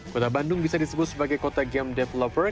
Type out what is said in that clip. kota bandung bisa disebut sebagai kota game developer